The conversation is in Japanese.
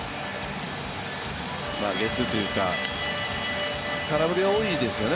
ゲッツーというか空振りが多いですよね